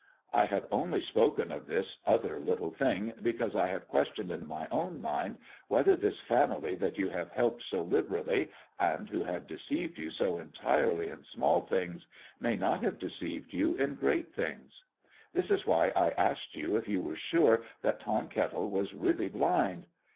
I have only spoken of this other little thing because I have questioned in my own mind whether this family that you have helped so liberally, and who have deceived you so entirely in small things, may not have deceived you in great things. This is why I asked you if you were sure that Tom Kettle was really blind.